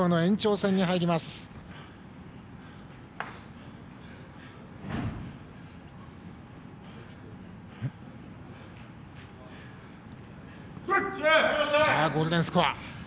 さあ、ゴールデンスコア。